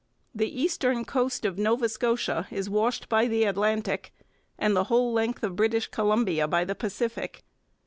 The eastern coast of Nova Scotia is washed by the Atlantic, and the whole length of British Columbia by the Pacific.